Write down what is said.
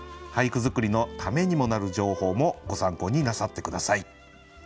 俳句作りのためにもなる情報もご参考になさって下さい。